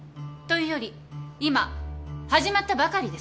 というより今始まったばかりです。